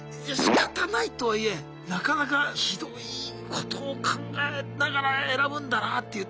しかたないとはいえなかなかひどいことを考えながら選ぶんだなって。